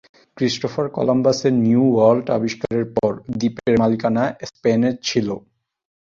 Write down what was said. Christopher কলম্বাসের New World আবিস্কারের পর দ্বীপের মালিকানা স্পেনের ছিলো।